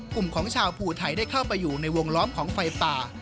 กลุ่มของชาวภูไทยได้เข้าไปอยู่ในวงล้อมของไฟป่า